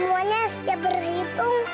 semuanya sudah berhitung